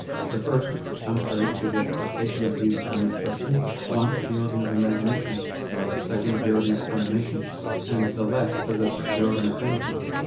The first, contrary to the expectation of these learned persons, wants the organ of imagination ; the second the organ of combination ; and the last possesses the organ of fancy.